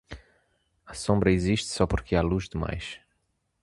A sombra existe só porque há luz demais